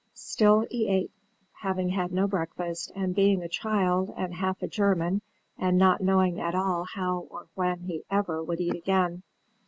Still he ate, having had no breakfast, and being a child, and half a German, and not knowing at all how or when he ever would eat again.